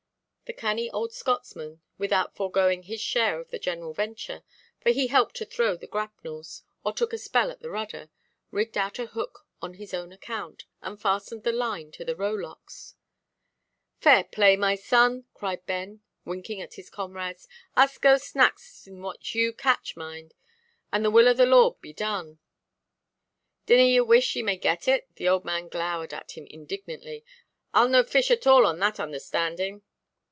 The canny old Scotchman, without foregoing his share in the general venture—for he helped to throw the grapnels, or took a spell at the rudder—rigged out a hook on his own account, and fastened the line to the rowlocks. "Fair play, my son," cried Ben, winking at his comrades; "us go snacks in what you catch, mind. And the will of the Lord be done." "Dinna ye wish ye may get it?"—the old man glowered at him indignantly—"Iʼll no fish at all on that onderstanding."